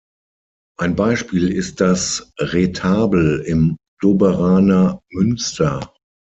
Ein Beispiel ist das Retabel im Doberaner Münster.